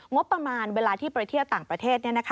งบประมาณเวลาที่ไปเที่ยวต่างประเทศ